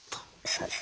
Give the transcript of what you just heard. そうです。